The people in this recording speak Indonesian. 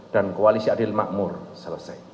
koalisi adil makmur selesai